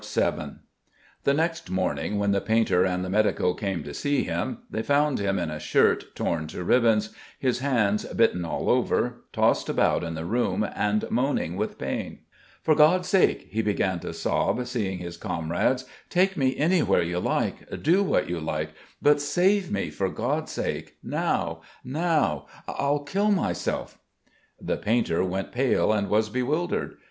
VII The next morning when the painter and the medico came to see him, they found him in a shirt torn to ribbons, his hands bitten all over, tossing about in the room and moaning with pain. "For God's sake!" he began to sob, seeing his comrades, "Take me anywhere you like, do what you like, but save me, for God's sake now, now! I'll kill myself." The painter went pale and was bewildered.